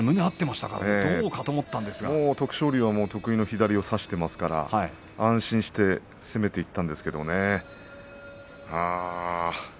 徳勝龍はもう得意の左を差してますから安心して攻めていきましたよね。